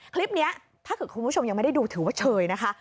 คลิปนี้ถ้าเกิดคุณผู้ชมยังไม่ได้ดูถือว่าเชยนะคะ